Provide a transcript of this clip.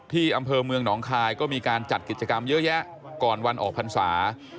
ที่อำเภอเมืองหนองคายก็มีการจัดกิจกรรมเยอะแยะก่อนวันออกพรรษา